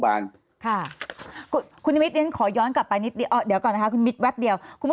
บาลคุณมิดขอย้อนกลับไปนิดเดี๋ยวก่อนคุณมิดแวะเดียวคุณผู้